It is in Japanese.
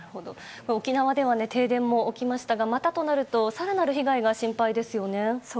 沖縄では停電も起きましたがまたとなると更なる被害が心配ですよね。